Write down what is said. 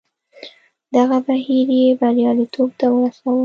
دغه بهیر یې بریالیتوب ته ورساوه.